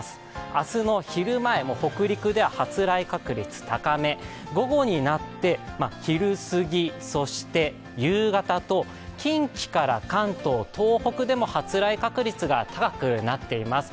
明日の昼前、北陸で発雷確率高め午後になって昼すぎ、そして夕方と、近畿から関東、東北でも発雷確率が高くなっています。